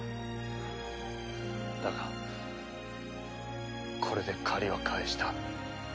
だがこれで借りは返した。